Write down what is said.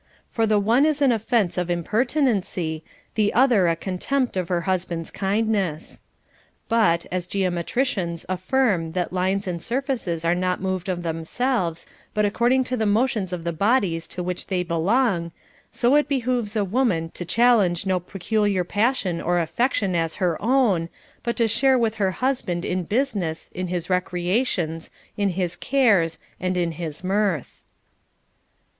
For the one is an offence of impertinency, the other a contempt of her husband's kindness. But, as geometricians affirm that lines and surfaces are not moved of themselves, but ac cording to the motions of the bodies to which they belong, so it behooves a woman to challenge no peculiar passion or affection as her own, but to share with her husband in business, in his recreations, in his cares, and in his mirth.